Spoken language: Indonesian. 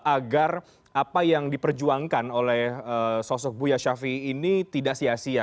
agar apa yang diperjuangkan oleh sosok buya syafiee ini tidak sia sia